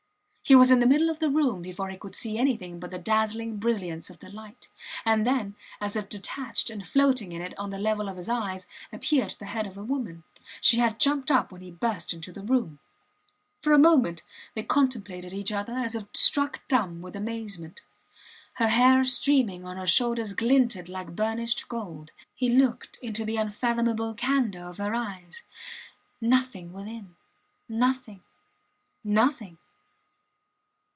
He was in the middle of the room before he could see anything but the dazzling brilliance of the light; and then, as if detached and floating in it on the level of his eyes, appeared the head of a woman. She had jumped up when he burst into the room. For a moment they contemplated each other as if struck dumb with amazement. Her hair streaming on her shoulders glinted like burnished gold. He looked into the unfathomable candour of her eyes. Nothing within nothing nothing.